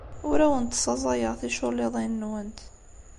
Ur awent-ssaẓayeɣ ticulliḍin-nwent.